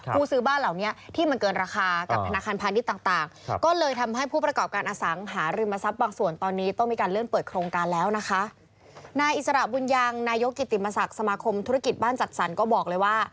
คู่ซื้อบ้านเหล่านี้ที่มันเกินราคากับธนาคารพันธุ์นี้ต่าง